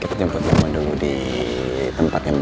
kita jemput temen temen dulu di tempat yang memang aja